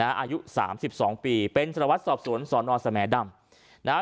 อายุ๓๒ปีเป็นสรวจสอบสวนสอนรสแมดำ